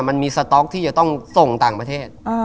มันมีสต๊อกที่จะต้องส่งต่างประเทศ